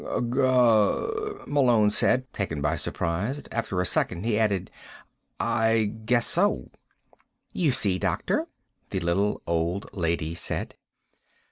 "Gur," Malone said, taken by surprise. After a second he added: "I guess so." "You see, doctor?" the little old lady said.